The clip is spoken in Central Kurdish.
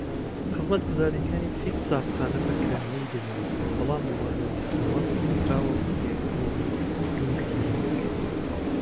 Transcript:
خزمەتگوزاریەکانی تری قوتابخانە بەکراوەیی دەمینێنەوە بەڵام وانەوتنەوە بەستراوە بە فێربوونی دوور لەیەک.